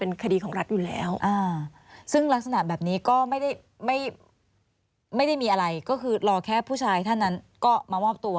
คดีของรัฐอยู่แล้วซึ่งลักษณะแบบนี้ก็ไม่ได้มีอะไรก็คือรอแค่ผู้ชายท่านนั้นก็มามอบตัว